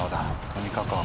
とにかく油。